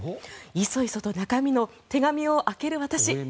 いそいそと手紙の中身を開ける私。